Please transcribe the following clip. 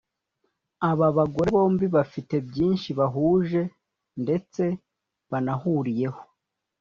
Aba bagore bombi bafite byinshi bahuje ndetse banahuriyeho